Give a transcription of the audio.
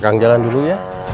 kakang jalan dulu ya